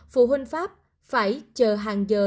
phụ huynh pháp phải chờ hàng giờ